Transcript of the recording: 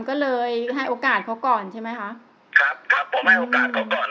ก็เลยให้โอกาสเขาก่อนใช่ไหมคะครับครับผมให้โอกาสเขาก่อน